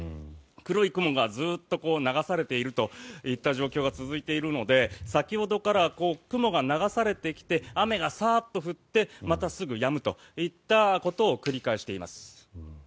黒い雲がずっと流されているといった状況が続いているので先ほどから雲が流されてきて雨がサーッと降ってまたすぐやむといったことを繰り返しています。